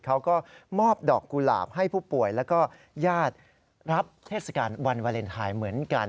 เขาก็มอบดอกกุหลาบให้ผู้ป่วยแล้วก็ญาติรับเทศกาลวันวาเลนไทยเหมือนกัน